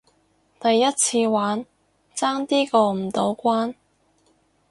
第一次玩，爭啲過唔到關